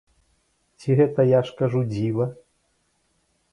Ці гэта, я ж кажу, дзіва?!